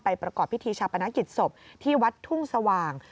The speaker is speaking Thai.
ประกอบพิธีชาปนกิจศพที่วัดทุ่งสว่าง